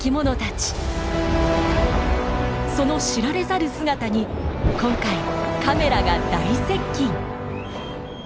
その知られざる姿に今回カメラが大接近！